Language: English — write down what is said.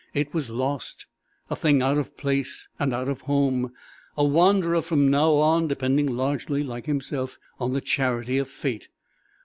It was lost, a thing out of place, and out of home; a wanderer from now on depending largely, like himself, on the charity of fate.